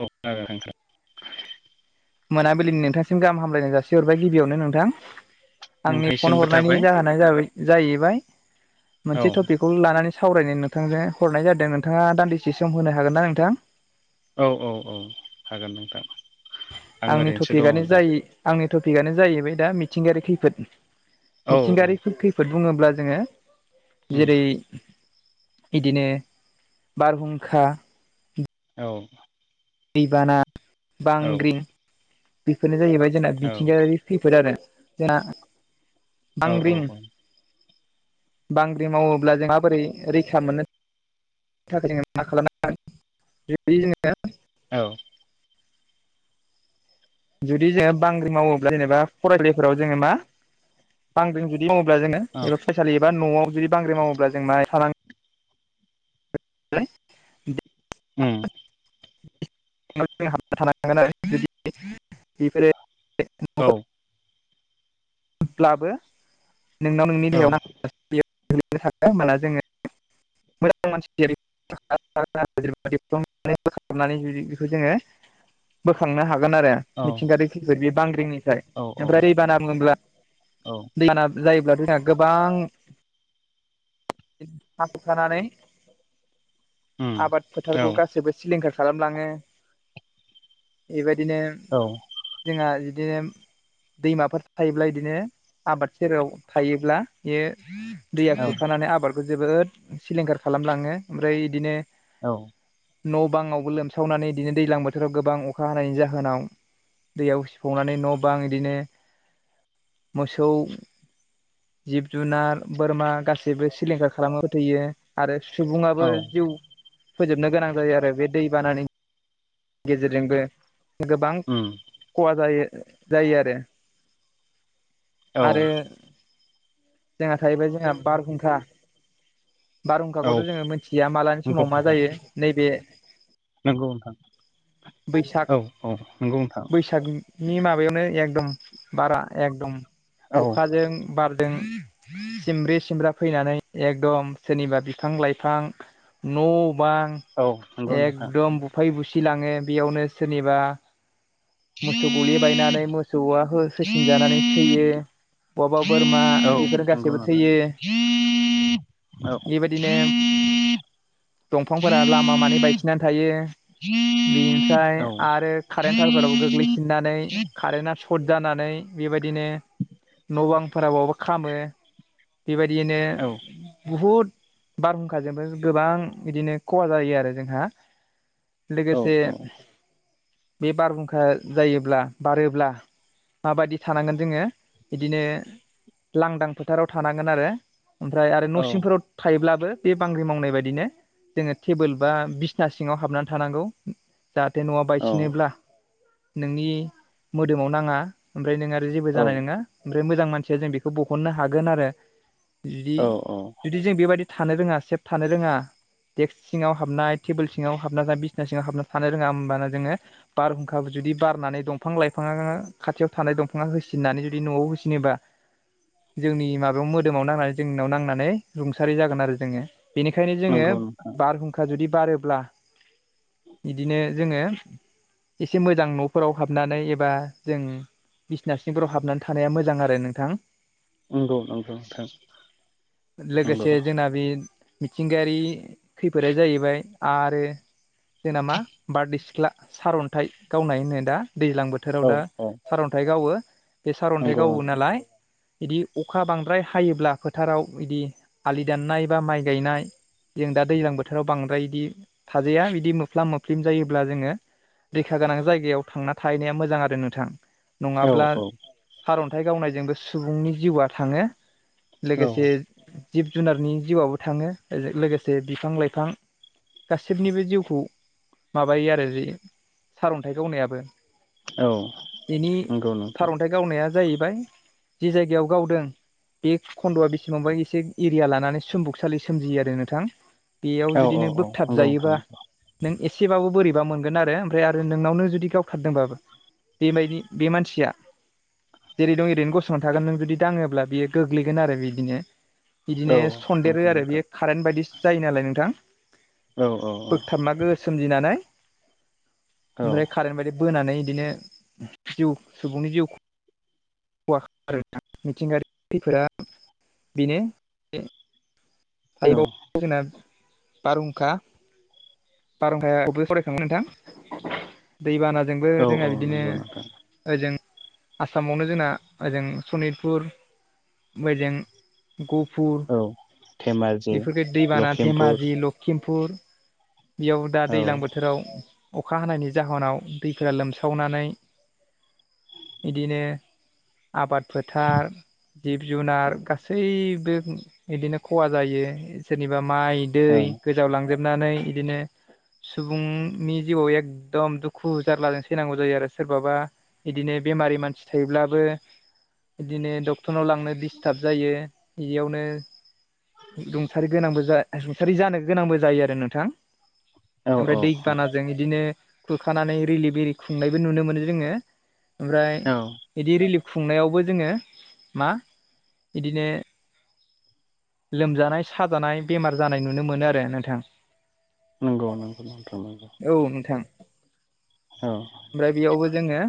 औ [unintelligible] नोंथां। मोनाबिलिनि नोंथांसिम गाहाम हामलायनाय जासिहरबाय गिबियावनो नोंथां आंनि फन नोंथांसिमबो हरनायनि थाबाय जाहोन नायजाबि जाहैबाय औ मोनसे‌ टपिक खौ लानानै सावरायनो नोंथांजों हरनाय जादों नोंथाङा दान्दिसे सम होनो हागोन ना नोंथां। औ-औ-औ हागोन नोंथां। आं आंनि ओरैनोसो दङ टपिकआनो दा जायि आंनि टपिकआनो जाहैबाय दा मिथिंगायारि खैफोद औ औ मिथिंगायारि खैफोद फोर बुङोब्ला जोङो उम जेरै बिदिनो बारहुंखा औ। दैबाना, औ बांग्रिं बेफोरनो जाहैबाय जोंना औ मिथिंगायारि खैफोद आरो जोंना औ उम बांग्रि-बांग्रिं मावोब्ला जों माबोरै रैखा मोननो थाखाय जोङो मा खाला [inaudible] गोन [inaudible] जोङो औ। जुदि जोङो बांग्रिं मावोब्ला जेनेबा फरायलायफोराव जोङो मा बांग्रिं जुदि मावोब्ला जोङो एबा फायसालि एबा न'आव जुदि बांग्रि मावोब्ला जों माहाइ थानांग ओम। [inaudible] बेफोरो [inaudible] ब्लाबो नोंनाव नोंनि देहायाव [inaudible] होमला जोङो मोजां मानसि [inaudible] बोखारनानै जुदि बेखौ जोङो बोखांनो हागोन आरो। औ मिथिंगायारि खैफोद बे बांग्रिंनिफ्राय औ औ उम ओमफ्राय दैबाना बुङोब्ला औ उम औ [inaudible] जायोब्ला जोंहा गोबां हा खुरखानानै आबाद नंगौ फोथारखौ गासैबो सिलिंखार खालामलाङो बेबायदिनो औ। जोंहा बिदिनो दैमाफोर थायोब्ला बिदिनो आबाद सेराव थायोब्ला बेयो दैया खुरखानानै आबादखौ जोबोद सिलिंखार खालामलाङो ओमफ्राय बिदिनो औ। न' बाङावबो लोमसावनानै बिदिनो दैज्लां बोथोराव गोबां अखा हानायनि जाहोनाव दैयाव सिफावनानै न' बां बिदिनो मोसौ जिब जुनार बोरमा गासैबो सिलिंखार खालामनो फोथैयो। आरो सुबुङाबो जिउ फोजोबनो गोनां जायो आरो बे दै बानानि गेजेरजोंबो गोबां खहा जायो जायो आरो आरो जोंहा थाहैबाय जोंहा बार हुंखा बारहुंखाखौथ' जोङो मिथिया मालानि समाव मा नोंथां जायो नैबे नंगौ नोंथां। बैसाग औ औ नंगौ नोंथां बैसाग नि माबायावनो एकदम बारा एकदम औ अखाजों बारजों सिमब्रि सिमब्रा फैनानै एकदम सोरनिबा बिफां लाइफां न' बां औ नंगौ नोंथां एकदम बुफाय बुसिलाङो बेयावनो सोरनिबा मोसौ गलि बायनानै मोसौआ हो-होसिनजानानै थैयो। बहाबा बोरमा औ बेफोर नंगौ गासैबो नोंथां। थैयो औ [inaudible] बेबायदिनो दंफांफोरा लामा मानै बायसिननानै थायो। बेनिफ्राय आरो कारेन्टारफोराव गोग्लैसिननानै कारेन्टआ सर्ट जानानै बेबायदिनो न' बांफोराबावबो खामो। बेबायदियैनो बहुद बारहुंखाजोंबो गोबां बिदिनो खहा जायो आरो जोंहा। लोगोसे बे बारहुंखा जायोब्ला बारोब्ला माबायदि थानांगोन जोङो बिदिनो लांदां फोथाराव थानांगोन आरो। ओमफ्राय आरो न' सिंफोराव थायोब्लाबो बे बांग्रि मावनाय बायदिनो जोङो टेबोल बा बिसना सिङाव हाबनानै थानांगौ जाहाथे न'आव बायसिनोब्ला नोंनि मोदोमाव नाङा। ओमफ्राय नों आरो जेबो औ जानाय नङा ओमफ्राय मोजां मानसिया जों बेखौ बहननो हागोन आरो। बिदि औ औ जुदि जों बेबायदि थानो रोङा सेफ थानो रोङा देक्स सिङाव हाबनाय टेबोल सिङाव हाब हाबना था बिसना सिंङाव हाब थानो रोङा ओमबाना जोङो बारहुंखा जुदि बारनानै दंफां लाइफाङा खाथियाव थानाय दंफाङा होसिननानै जुदि न'आव होसिनोबा जोंनि माबायाव मोदोमाव नांनानै जोंनाव नांनानै रुंसारि जागोन आरो जोङो। बेनिखायनो जोङो नंगौ नोंथां बारहुंखा जुदि बारोब्ला बिदिनो जोङो एसे मोजां न'फोराव हाबनानै एबा जों बिसिना सिंफोराव हाबनानै थानाया मोजां आरो नोंथां। नंगौ नंगौ नोंथां नंगौ लोगोसे जोंना बि मिथिंगायारि खैफोदा जाहैबाय आरो जेना मा बारदै सिख्ला सारन्थाइ गावनाय होनो दा दैज्लां बो थोराव औ दा औ सारअन्थाइ गावो बे सार'न्थाइ नंगौ औ गावो नालाय बिदि अखा बांद्राय हायोब्ला फोथाराव बिदि आलि दाननाय बा माइ गायनाय जों दा दैज्लां बोथोराव बांद्राय बिदि थाजाया बिदि मोफ्लाम मोफ्लिम जायोब्ला जोङो रैखा गोनां जायगायाव थांना थाहैनाया मोजां आरो नोंथां। नङाब्ला औ सारन्थाइ गावनायजोंबो सुबुंनि जिउआ थाङो लोगोसे औ जिब जुनारनि जिउआवबो थाङो लोगोसे बिफां लाइफां गासिबनिबो जिउखौ माबायो आरो जि सारन्थाइ गावनायाबो। औ बेनि नंगौ नोंथां सारन्थाइ गावनाया जाहैबाय जि जायगायाव गावदों बे खन्द'आ बेसेबांबा एसे एरिया लानानै सोम्बुकसालि सोमजियो आरो नोंथां। बेयाव औ जुदि औ नों औ बोगथाब नंगौ जायोबा नोंथां नों एसेबाबो बोरैबा मोनगोन आरो ओमफ्राय आरो नोंनावनो जुदि गावथारदोंबाबो बेबायदि बे मानसिया जेरै दं ओरैनो गसंनानै थागोन नों जुदि दाङोब्ला बियो गोग्लैगोन आरो बिदिनो। बिदिनो औ सन्देरो नंगौ आरो नोंथां बेयो कारेन्ट बायदिसो जायो नालाय नोंथां। औ औ। बोगथाबमा गोहो सोमजिनानै औ ओमफ्राय कारेन्ट बायदि बोनानै बिदिनो जिउ सुबुंनि जिउ खहा [inaudible] नोंथां मिथिंगायारि खैफोदा बेनो। औ [unintelligible] जोंना बारहुंखा बारहुंखायाबो [unintelligible] नोंथां दैबानाजोंबो जोंहा औ बिदिनो। नंगौ नोंथां ओजों आसामावनो जोंना ओजों सनितपुर मोजों गहफुर औ। धेमाजि बेफोरखो दैबाना लखिमपुर धेमाजि लखिमपुर बेयाव दा औ दैज्लां बोथोराव अखा हानायनि जाहोनाव दैफोरा लोमसावनानै बिदिनो आबाद फोथार जिब जुनार गासैबो बिदिनो खहा जायो सोरनिबा माइ दै गोजाव लांजोबनानै बिदिनो सुबुंनि जिउआव एखदम दुखु जारलाजों सैनांगौ जायो आरो सोरबाबा बिदिनो बेमारि मानसि थायोब्लाबो बिदिनो डक्टरनाव लांनो डिस्टार्ब जायो बेयावनो रुंसारि गोनांबो रुंसारि जानो गोनांबो जायो आरो नोंथां। औ ओमफ्राय औ दैबानाजों इदिनो खुरखानानै रिलि बिरि खुंनायबो नुनो मोनो जोङो। ओमफ्राय औ बिदि रिलिफ खुंनायावबो जोङो मा बिदिनो लोमजानाय साजानाय बेमार जानाय नुनो मोनो आरो नोंथां। नंगौ नंगौ नोंथां नंगौ। औ नोंथां। औ। ओमफ्राय बेयावबो जोङो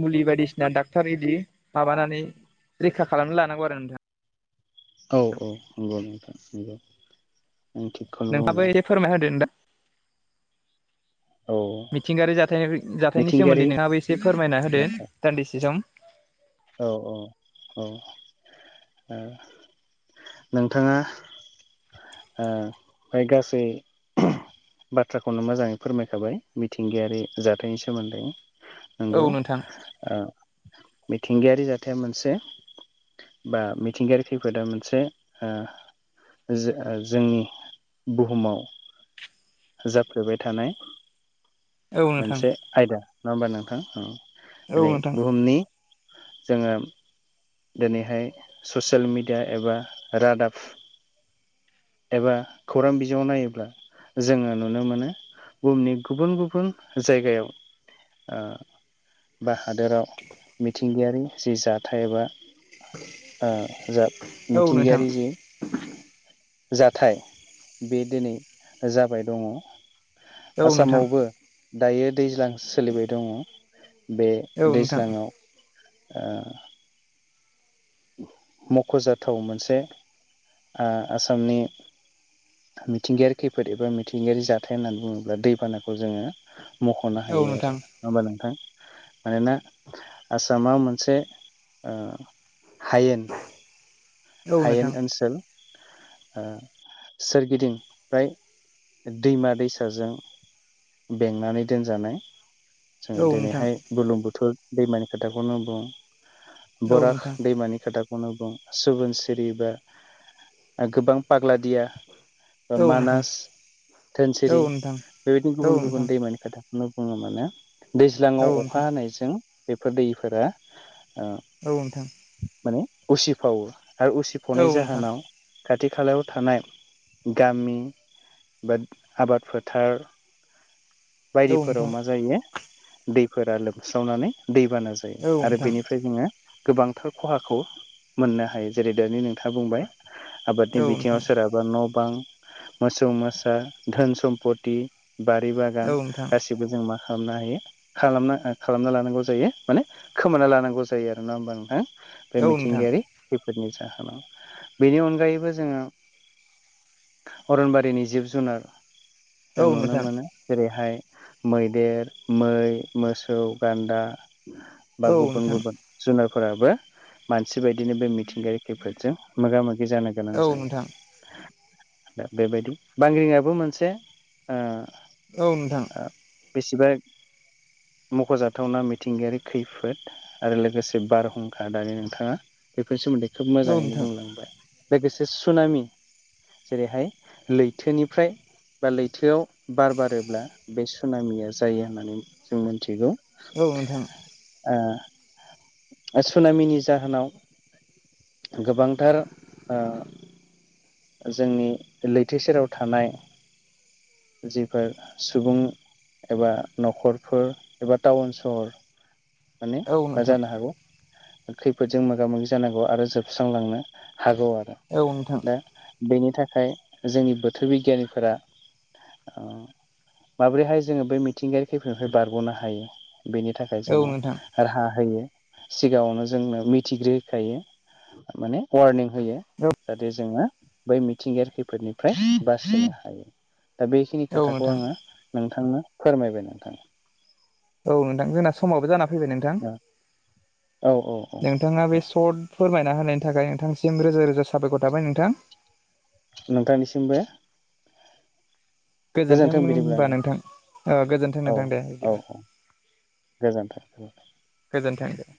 मुलि बायदिसिना डाक्टर इदि माबानानै रैखा खालामनो लानांगौ आरो नोंथाङा। औ औ नंगौ नोंथां नंगौ [unintelligible] नोंहाबो एसे फोरमाय होदो दां। औ मिथिंगायारि जाथाय जाथायनि मिथिंगायारि सोमोन्दै नोंहाबो एसे फोरमायना होदो जाथाय दान्दिसे सम। औ औ औ ओ नोंथाङा ओ बे गासै बाथ्राखौनो मोजाङै फोरमायखाबाय मिथिंगायारि जाथायनि सोमोन्दै। औ नंगौ नोंथां ओ मिथिंगायारि जाथाया मोनसे बा मिथिंगायारि खैफोदा मोनसे ओ जो जोंनि बुहुमाव जाफ्लेबाय थानाय औ नोंथां मोनसे आयदा नङा होमबा नोंथां औ ओरै नोंथां बुहुमनि जोङो दिनैहाय ससियेल मिडिया एबा रादाब एबा खौरां बिजोङाव नायोब्ला जोङो नुनो मोनो बुहुमनि गुबुन गुबुन जायगायाव ओ बा हादोराव मिथिंगायारि जि जाथाय एबा ओ जा औ नोंथां मिथिंगायारि जि जाथाय बे दिनै जाबाय दङ औ नोंथां आसामावबो दायो दैज्लां सोलिबाय दङ बे औ नोंथां दैज्लाङाव अ मख'जाथाव मोनसे ओ आसामनि मिथिंगायारि खैफोद एबा मिथिंगायारि जाथाय होननानै बुङोब्ला दैबानाखौ जोङो मख'नो औ नोंथां औ हायो नोंथां आरो होम्बा नोंथां मानोना आसामाव मोनसे हायेन औ हायेन नोंथां ओनसोल ओ सोरगिदिं फ्राय दैमा दैसाजों बेंनानै दोनजानाय जोङो औ नोंथां दिनैहाय बुरलुंबुथुर दैमानि खोथाखौनो बुं बराग दैमानि खोथाखौनो बुं सुबुनसिरि बा गोबां पाग्ला दिया ओ औ नोंथां औ नोंथां मानास धोनसिरि औ नोंथां औ नोंथां बेबायदिनो औ गुबुन गुबुन नोंथां दैमानि खोथा बेखौनो बुङो माने औ नोंथां दैज्लाङाव अखा हानायजों बेफोर दैफोरा ओ औ नोंथां माने उसिफावो आरो उसिफावनाय जाहोनाव खाथि खालायाव थानाय गामि बा आबाद फोथार बायदिफोराव नोंथां औ मा जायो दैफोरा लोमस्रावनानै दैबाना जायो आरो नोंथां बेनिफ्राय जोङो गोबांथार खहाखौ मोननो हायो जेरै दानि नोंथाङा बुंबाय औ आबादनि बिथिङाव नोंथां सोरहा बा न' बां मोसौ मोसा धोन सम्पथि बारि औ बागान नोंथां गाबसिबो जों मा खालामनो हायो खालामना खालामना लानांगौ जायो माने खोमाना लानांगौ जायो आरो नङा होमबा नोंथां। बे औ नोंथां मिथिंगायारि खैफोदनि जाहोनाव बेनि अनगायैबो जोङो अरनबारिनि जिब जुनार औ जों नुनो नोंथां मोनो। बेहाय मैदेर मै मोसौ गान्दा बा औ गुबुन नोंथां गुबुन जुनारफोराबो मानसि बायदिनो बे मिथिंगायारि खैफोदजों मोगा मोगि जानो गोनां औ जायो। नोंथां दा बेबायदि बांग्रिंआबो मोनसे ओ औ नोंथां ओ बेसेबा मख'जाथावना मिथिंगायारि खैफोद आरो लोगोसे बारहुंखा दानि नोंथाङा बेफोरनि सोमोन्दै खोब औ नोंथां मोजाङैनो बुंलांबाय। लोगोसे सुनामि जेरैहाय लैथोनिफ्राय बा लैथोआव बार बारो ब्ला बे सुनामिया जायो होननानै जों मिथिगौ। औ नोंथां। ओ सुनामिनि जाहोनाव गोबांथार ओ जोंनि लैथो सेराव थानाय जिफोर सुबुं एबा न'खरफोर एबा टाउन सहर माने औ नोंथां औ मा नोंथां जानो हागौ खैफोदजों मोगा मोगि जानांगौ आरो जोबस्रांलांनो हागौ आरो। औ नोंथां। दा बेनि थाखाय जोंनि बोथोर बिगियानिफोरा उम माब्रैहाय जोङो बे मिथिंगायारि खैफोदनिफ्राय बारग'नो हायो बेनि थाखाय जोंनो राहा होयो सिगाङावनो जोंनो मिथिग्रोहोखायो माने वारनिं होयो जाहाथे जोङो बै मिथिंगायारि खैफोदनिफ्राय बासायनो हायो। दा बेखिनि औ खोथाखौ नोंथां आङो नोंथांनो फोरमायबाय नोंथा। औ नोंथां जोंना समावबो जाना फैबाय नोंथां औ औ औ नोंथाङा बे सर्ट फोरमायना होनायनि थाखाय नोंथांसिम रोजा रोजा साबायखर थाबाय नोंथां। नोंथांनिसिमबो। गोजोन्थों बिदिब्ला होनबा नोंथां ओ गोजोन्थों नोंथाङा औ नोंथां दे औ बिदिबा औ। गोजोन्थों। गोजोन्थों।